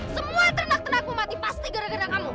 semua ternak ternakmu mati pasti gara gara kamu